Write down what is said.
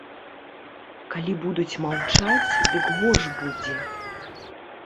Калі будуць маўчаць, дык горш будзе.